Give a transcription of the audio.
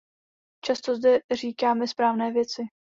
Často zde říkáme správné věci.